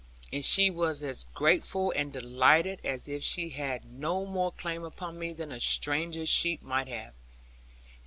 And she was as grateful and delighted as if she had no more claim upon me than a stranger's sheep might have.